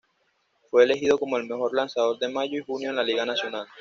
Fue elegido como el mejor lanzador de mayo y junio en la Liga Nacional.